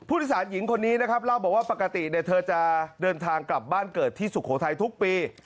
สารหญิงคนนี้นะครับเล่าบอกว่าปกติเธอจะเดินทางกลับบ้านเกิดที่สุโขทัยทุกปี